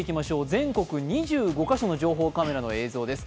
全国２５カ所の情報カメラの映像です。